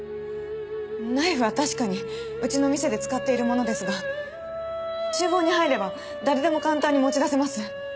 ナイフは確かにうちの店で使っているものですが厨房に入れば誰でも簡単に持ち出せます。